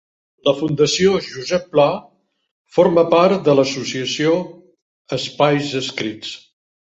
La Fundació Josep Pla forma part de l'associació Espais Escrits.